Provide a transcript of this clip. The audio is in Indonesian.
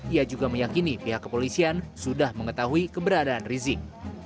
ia juga meyakini pihak kepolisian sudah mengetahui keberadaan rizik